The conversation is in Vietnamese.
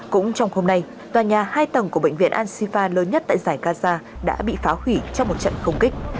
cũng trong hôm nay tòa nhà hai tầng của bệnh viện ansifa lớn nhất tại giải gaza đã bị phá hủy trong một trận không kích